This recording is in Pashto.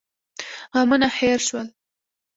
غمونه هېر شول.